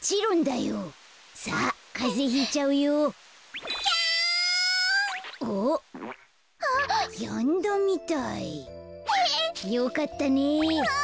よかったね。